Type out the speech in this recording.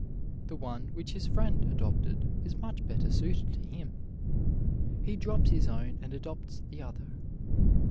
The one which his friend adopted is much better suited to him; he drops his own and adopts the other.